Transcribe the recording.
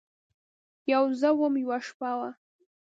یوه زه وم، یوه شپه وه